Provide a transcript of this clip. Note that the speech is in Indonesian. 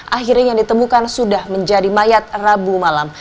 akhirnya ditemukan sudah menjadi mayat rabu malam